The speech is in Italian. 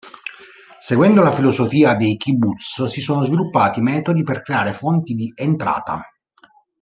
Seguendo la filosofia dei kibbutz si sono sviluppati metodi per creare fonti di entrata.